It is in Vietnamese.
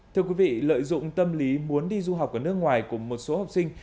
thưa quý vị lợi dụng tâm lý muốn đi du học ở nước ngoài của một số học sinh